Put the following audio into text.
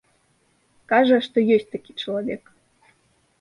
Кажа, што ёсць такі чалавек.